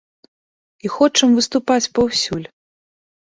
І хочам выступаць паўсюль!